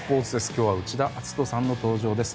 今日は内田篤人さんの登場です。